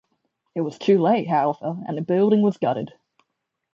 It was too late, however, and the building was gutted.